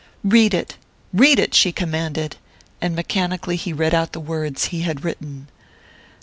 "Read it read it!" she commanded; and mechanically he read out the words he had written.